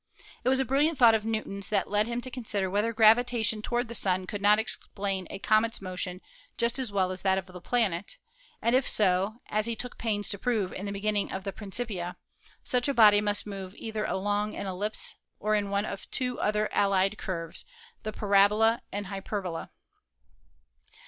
It was a brilliant thought of Newton's that led him to consider whether gravitation toward the Sun could not explain a comet's motion just as well as that of the planet, 232 ASTRONOMY and if so, as he took pains to prove in the beginning of the Principia, such a body must move either along an ellipse or in one of two other allied curves, the parabola and hyperbola.